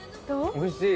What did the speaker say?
おいしい。